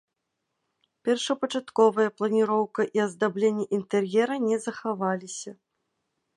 Першапачатковыя планіроўка і аздабленне інтэр'ера не захаваліся.